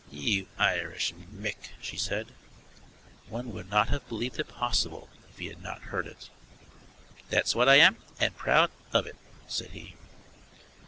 "You Irish mick!" she said. (One would not have believed it possible if he had not heard it.) "That's what I am, and proud of it," said he.